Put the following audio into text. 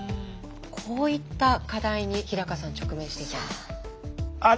こういった課題に日さん直面していたんです。